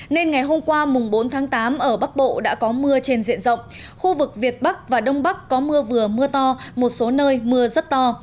nên ngày hôm qua bốn tháng tám ở bắc bộ đã có mưa trên diện rộng khu vực việt bắc và đông bắc có mưa vừa mưa to một số nơi mưa rất to